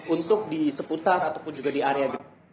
untuk diseputar ataupun juga di area